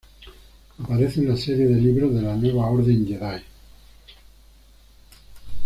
Aparece en la serie de libros de La Nueva Orden Jedi.